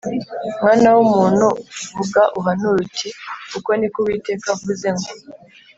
Mwana w’umuntu, vuga uhanura uti ‘Uku ni ko Uwiteka avuze ngo: